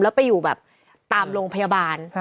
และไปอยู่ตามโรงพยาบาล